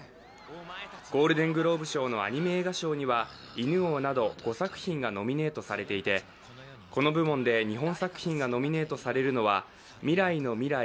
ゴールデングローブ賞のアニメ映画賞には「犬王」など５作品がノミネートされていて、この部門で日本作品がノミネートされるのは「未来のミライ」